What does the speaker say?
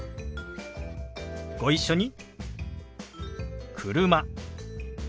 ご一緒に。